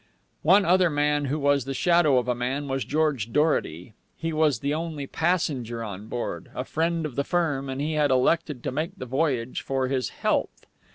One other man who was the shadow of a man was George Dorety. He was the only passenger on board, a friend of the firm, and he had elected to make the voyage for his health.